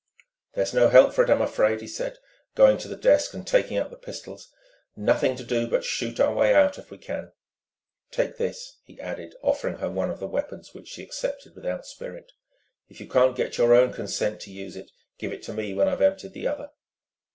"There's no help for it, I'm afraid," he said, going to the desk and taking up the pistols "nothing to do but shoot our way out, if we can. Take this," he added, offering her one of the weapons, which she accepted without spirit. "If you can't get your own consent to use it, give it to me when I've emptied the other."